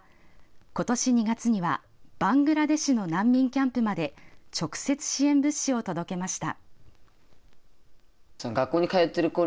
今年２月にはバングラデシュの難民キャンプまで直接、支援物資を届けました。